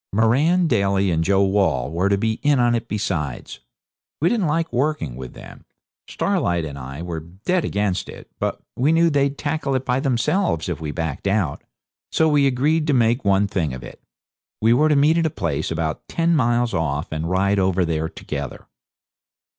Moran, Daly, and Joe Wall were to be in it besides. We didn't like working with them. Starlight and I were dead against it. But we knew they'd tackle it by themselves if we backed out. So we agreed to make one thing of it. We were to meet at a place about ten miles off and ride over there together.